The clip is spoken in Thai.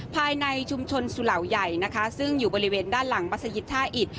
ภายในชุมชนสุเหล่าใหญ่นะคะซึ่งอยู่บริเวณด้านหลังมัศยิตท่าอิต